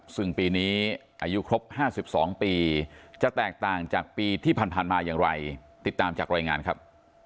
ซึ่งปีนี้อายุครบ๕๒ปีจะแตกต่างจากปีที่ผ่านมาอย่างไรติดตามจากรายงานครับ